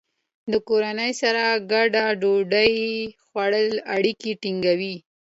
د کورنۍ سره ګډه ډوډۍ خوړل اړیکې ټینګوي.